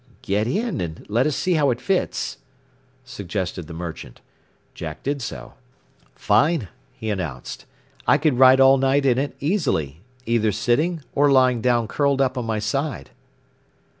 "Get in and let us see how it fits," suggested the merchant. Jack did so. "Fine," he announced. "I could ride all night in it, easily either sitting, or lying down curled up on my side."